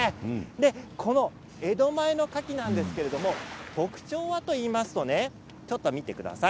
この江戸前のカキなんですけれど特徴はというとちょっと見てください。